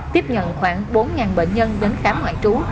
tiếp nhận khoảng bốn bệnh nhân đến khám ngoại trú